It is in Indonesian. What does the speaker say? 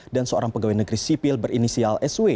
dan seorang pegawai negeri sipil berinisial sw